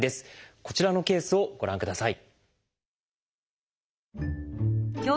こちらのケースをご覧ください。